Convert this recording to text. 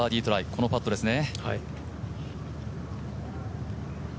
このパットですね。